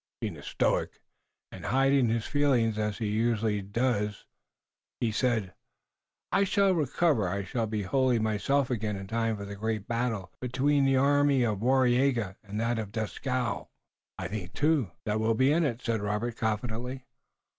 Being a stoic, and hiding his feelings as he usually did, he said: "I shall recover, I shall be wholly myself again in time for the great battle between the army of Waraiyageh and that of Dieskau." "I think, too, that we'll be in it," said Robert confidently.